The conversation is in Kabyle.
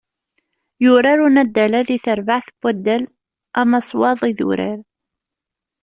Yurar unaddal-a deg terbaεt n waddal amaswaḍ Idurar.